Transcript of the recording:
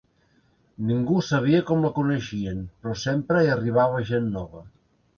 Ningú sabia com la coneixien, però sempre hi arribava gent nova.